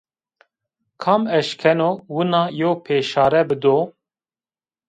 Kam eşkeno wina yew peşare bido?